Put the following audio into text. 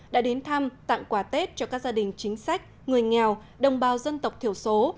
đã đến thăm tặng quà tết cho các gia đình chính sách người nghèo đồng bào dân tộc thiểu số